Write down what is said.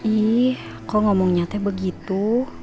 ih kok ngomong nyata begitu